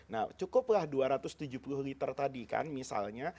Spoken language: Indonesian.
nah cukuplah dua ratus tujuh puluh liter tadi kan misalnya